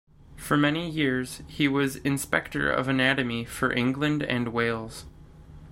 For many years he was Inspector of Anatomy for England and Wales.